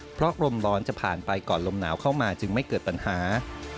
เพราะลมร้อนจะผ่านไปก่อนลมหนาวเข้ามาจึงไม่เกิดปัญหา